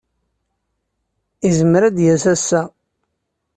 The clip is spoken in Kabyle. Yezmer ad d-yas ass-a.